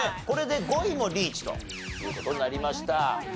これで５位もリーチという事になりました。